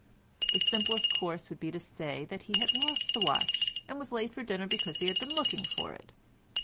The simplest course would be to say that he had lost the watch, and was late for dinner because he had been looking for it.